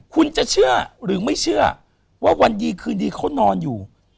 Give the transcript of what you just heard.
คุณจะเชื่อหรือไม่เชื่อว่าวันดีคืนดีเขานอนอยู่